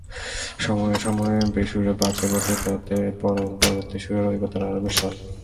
সময়ে সময়ে বেসুরো বাজে বটে, তাতে বরং পরবর্তী সুরের ঐকতান আরও মিষ্ট লাগে।